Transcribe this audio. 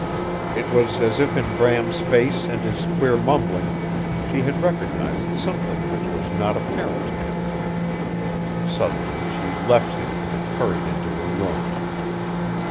It was as if in Bram's face and his queer mumbling she had recognized something which was not apparent to him. Suddenly she left him and hurried into her room.